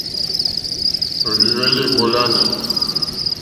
Òrzì hwɛ́lɛ́ èmólánà.